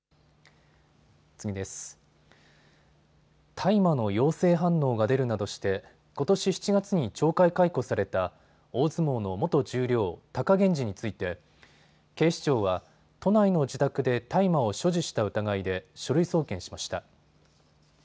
大麻の陽性反応が出るなどしてことし７月に懲戒解雇された大相撲の元十両・貴源治について警視庁は都内の自宅で大麻を所持した疑いで書類送検しました。